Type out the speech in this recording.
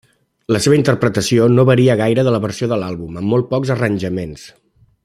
La seva interpretació no varia gaire de la versió de l'àlbum amb molt pocs arranjaments.